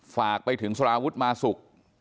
ฝากไปถึงสารวุฒิมาสุก